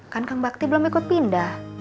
kan kang bakti belum ikut pindah